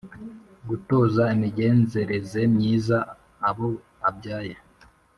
gutoza imigenzereze myiza abo abyaye